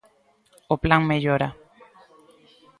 O Plan Mellora.